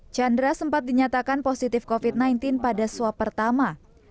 chandra sempat dinyatakan positif covid sembilan belas pada swab pertama